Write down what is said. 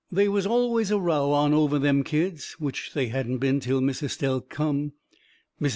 They was always a row on over them kids, which they hadn't been till Miss Estelle come. Mrs.